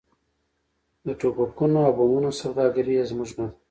د ټوپکونو او بمونو سوداګري یې زموږ نه ده.